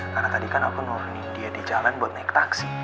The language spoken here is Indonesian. karena tadi kan aku nurunin dia di jalan buat naik taksi